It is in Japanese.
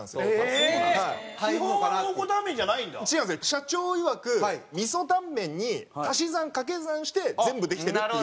社長いわく味噌タンメンに足し算掛け算して全部できてるって。